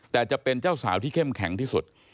แต่จะเป็นเจ้าสาวที่เข้มแข็งที่สุด